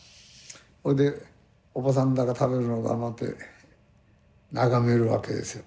それでおばさんらが食べるのを黙って眺めるわけですよ。